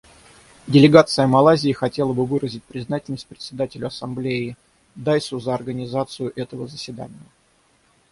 Делегация Малайзии хотела бы выразить признательность Председателю Ассамблеи Дайссу за организацию этого заседания.